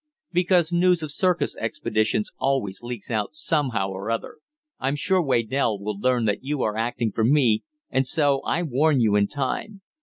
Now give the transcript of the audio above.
"Because news of circus expeditions always leaks out somehow or other. I'm sure Waydell will learn that you are acting for me, and so I warn you in time.